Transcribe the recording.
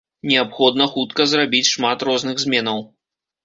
Неабходна хутка зрабіць шмат розных зменаў.